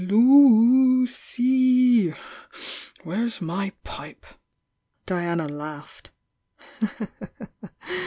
Loo— ceel Where's my pipe?" Diana laughed.